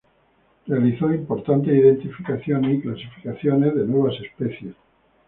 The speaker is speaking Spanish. Realizó importantes identificaciones y clasificaciones de nuevas especies.